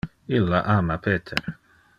Illa ama Peter.